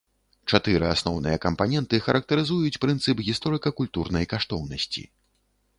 Чатыры асноўныя кампаненты характарызуюць прынцып гісторыка-культурнай каштоўнасці.